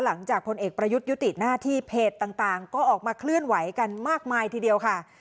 พลเอกประยุทธ์ยุติหน้าที่เพจต่างก็ออกมาเคลื่อนไหวกันมากมายทีเดียวค่ะ